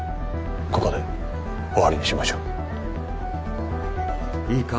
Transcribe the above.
ここで終わりにしましょういいか？